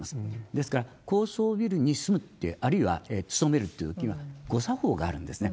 ですから、高層ビルに住むって、あるいは勤めるってときには、ご作法があるんですね。